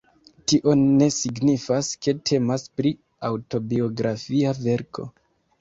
Tio ne signifas, ke temas pri aŭtobiografia verko.